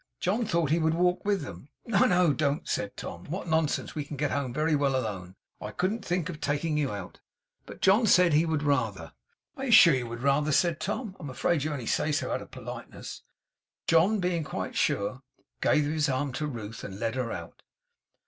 John thought he would walk with them. 'No, no. Don't!' said Tom. 'What nonsense! We can get home very well alone. I couldn't think of taking you out.' But John said he would rather. 'Are you sure you would rather?' said Tom. 'I am afraid you only say so out of politeness.' John being quite sure, gave his arm to Ruth, and led her out.